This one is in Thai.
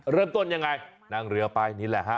เริ่มต้นยังไงนั่งเรือไปนี่แหละฮะ